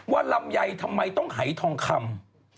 ลำไยทำไมต้องหายทองคำ